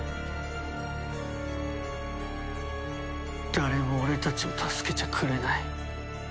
誰も俺たちを助けちゃくれない。